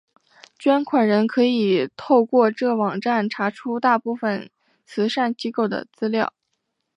捐款人可以透过这网站查出大部份慈善机构的资料。